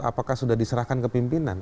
apakah sudah diserahkan ke pimpinan